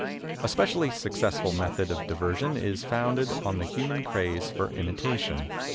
... A specially successful method of diversion is founded on the human craze for imitation